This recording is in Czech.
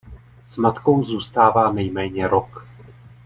S matkou zůstává nejméně rok.